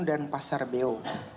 dan pasar beo